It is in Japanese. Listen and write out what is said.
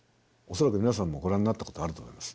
恐らく皆さんもご覧になったことあると思います。